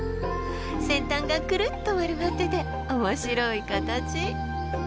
先端がクルッと丸まってて面白い形。